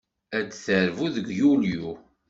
Ad d-terbu deg Yulyu.